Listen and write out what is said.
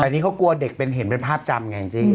แต่นี่เขากลัวเด็กเป็นเห็นเป็นภาพจำไงจริง